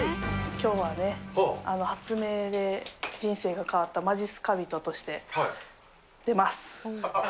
きょうはね、発明で人生が変わったまじっすか人として出ます！